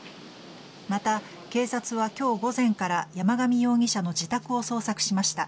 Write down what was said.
また、警察は今日午前から山上容疑者の自宅を捜索しました。